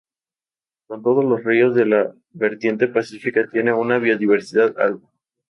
Como todos los ríos de la vertiente pacífica, tiene una biodiversidad alta.